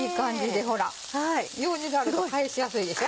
ほらようじがあると返しやすいでしょ。